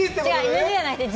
ＮＧじゃないです。